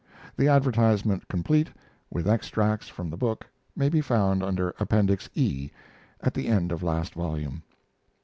[The advertisement complete, with extracts from the book, may be found under Appendix E, at the end of last volume.